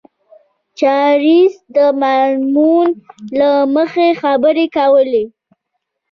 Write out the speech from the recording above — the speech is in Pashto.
چارليس د معمول له مخې خبرې کولې.